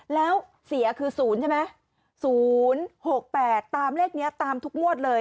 แล้วเสียคือ๐ใช่ไหม๐๖๘ตามเลขนี้ตามทุกงวดเลย